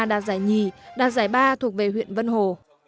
đạt giải nhì đạt giải ba thuộc về huyện vân hồ